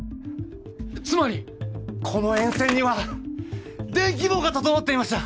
つまりこの沿線には電気網が整っていました！